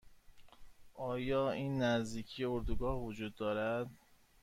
آیا این نزدیکی اردوگاه وجود دارد؟